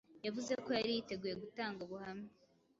yavuze ko yari yiteguye gutanga ubuhamya,